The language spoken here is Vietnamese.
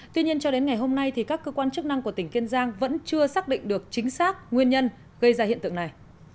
tuy nhiên cho đến ngày hôm nay các cơ quan chức năng của tỉnh kiên giang vẫn chưa xác định được chính xác nguyên nhân gây ra hiện tượng này